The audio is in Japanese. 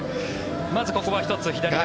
まずここは１つ左で。